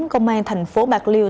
công an thành phố bạc liêu